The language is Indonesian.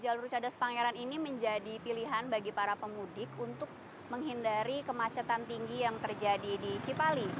jalur cadas pangeran ini menjadi pilihan bagi para pemudik untuk menghindari kemacetan tinggi yang terjadi di cipali